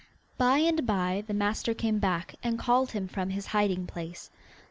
By and by the master came back, and called him from his hiding place.